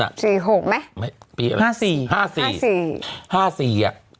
๔๖ไหมปี๕๔